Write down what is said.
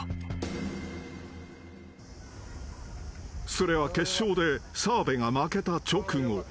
［それは決勝で澤部が負けた直後］